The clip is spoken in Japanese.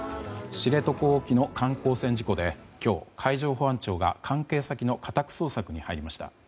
知床沖の観光船事故で今日、海上保安庁が関係先の家宅捜索に入りました。